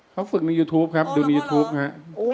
เขาฝึกในยูทูปครับดูยูทูปฮะ